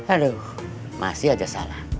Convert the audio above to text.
aduh masih aja salah